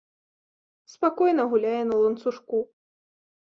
Спакойна гуляе на ланцужку.